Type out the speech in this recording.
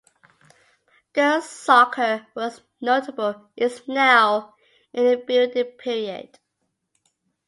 Girls' soccer, once notable, is now in a building period.